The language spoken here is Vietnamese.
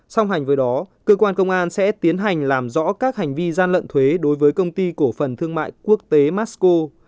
song hành với đó cơ quan công an sẽ tiến hành làm rõ các hành vi gian lận thuế đối với công ty cổ phần thương mại quốc tế masco